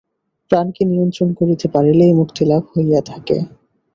প্রাণকে নিয়ন্ত্রণ করিতে পারিলেই মুক্তিলাভ হইয়া থাকে।